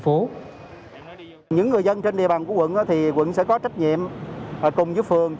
những người dân trên địa bàn của quận thì quận sẽ có trách nhiệm cùng với phường